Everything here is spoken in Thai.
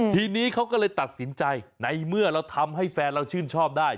ทีนี้เขาก็เลยตัดสินใจในเมื่อเราทำให้แฟนเราชื่นชอบได้